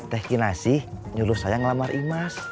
teh kinasih nyuruh saya ngelamar imas